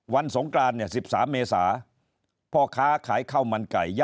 วันสงกราน๑๓เมษา